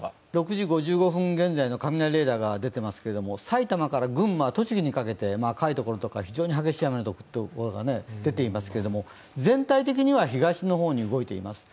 ６時５５分現在の雷レーダーが出ていますけれども、埼玉から群馬、栃木にかけて赤いところとか、非常に激しい雨の所が出ていますが、全体的には東の方に動いています。